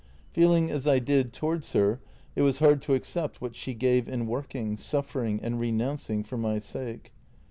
Feeling as I did to wards her, it was hard to accept what she gave in working, suffering, and renouncing for my sake.